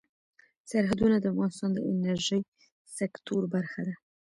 سرحدونه د افغانستان د انرژۍ سکتور برخه ده.